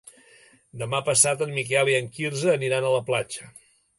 Demà passat en Miquel i en Quirze aniran a la platja.